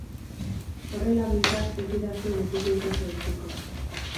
Horrela, behintzat, ez didazue betiko ikatza utziko.